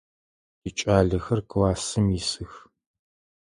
Тикӏалэхэр классым исых.